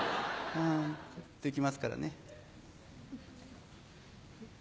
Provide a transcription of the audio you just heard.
できますからね。